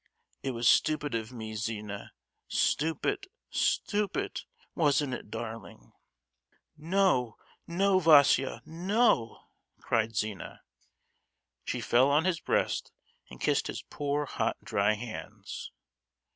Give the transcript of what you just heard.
It was stupid of me, Zina, stupid—stupid—wasn't it, darling?" "No, no, Vaísia—no!" cried Zina. She fell on his breast and kissed his poor hot, dry hands.